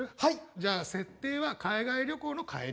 じゃあ設定は海外旅行の帰り。